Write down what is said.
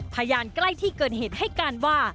พยานใกล้ที่เกิดเหตุให้การว่า